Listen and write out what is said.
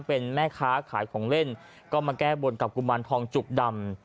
เป็นแม่ค้าขายของเล่นก็มาแก้บนกับกุมารทองจุกดำ